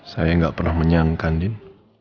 saya gak pernah menyangka din